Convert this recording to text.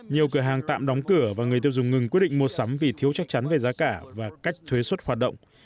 nhiều cửa hàng tạm đóng cửa và người tiêu dùng ngừng quyết định mua sắm vì thiếu chắc chắn về giá cả và cách thuế xuất hoạt động